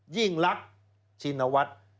ยิ่งรักชินวัฒน์